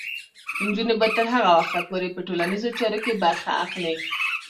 نجونې به تر هغه وخته پورې په ټولنیزو چارو کې برخه اخلي.